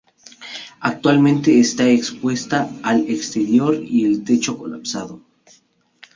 Actualmente está expuesta al exterior y el techo colapsado.